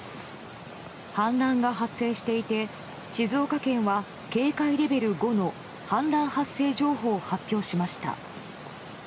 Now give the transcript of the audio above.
氾濫が発生していて静岡県は警戒レベル５の氾濫発生情報を発表しました。